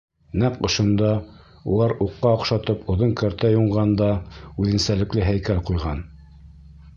Нәҡ ошонда улар уҡҡа оҡшатып оҙон кәртә юнған да үҙенсәлекле һәйкәл ҡуйған.